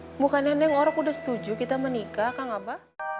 aduh bukannya neng orok udah setuju kita menikah kak ngaba